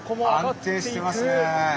安定してますね。